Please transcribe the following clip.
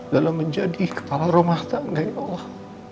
dalam menjadi kepala rumah tangga ya allah